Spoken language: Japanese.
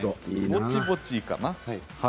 ぼちぼち、いいかな。